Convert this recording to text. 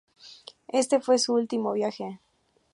Este fue su último viaje.